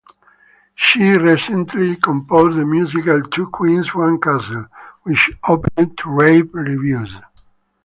She recently composed the musical "Two Queens, One Castle", which opened to rave reviews.